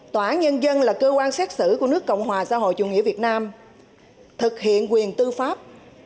tòa án nhân dân là cơ quan xét xử của nước cộng hòa xã hội chủ nghĩa việt nam thực hiện quyền tư pháp